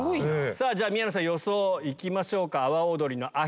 宮野さん予想いきましょうか。